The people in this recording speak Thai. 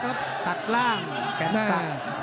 และตัดล่างแก่งซัก